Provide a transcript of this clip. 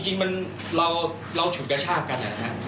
จริงมันเราฉุดกระชากกันนะฮะ